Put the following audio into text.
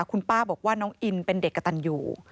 คุณป้าบอกว่าน้องอินเป็นเด็กกระตันอยู่